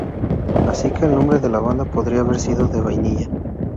Así que el nombre de la banda podría haber sido de Vainilla.